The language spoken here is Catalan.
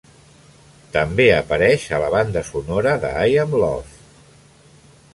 També apareix a la banda sonora de I Am Love.